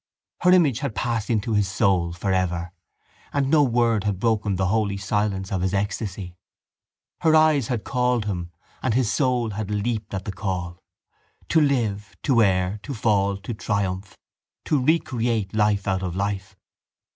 Her image had passed into his soul for ever and no word had broken the holy silence of his ecstasy. Her eyes had called him and his soul had leaped at the call. To live, to err, to fall, to triumph, to recreate life out of life!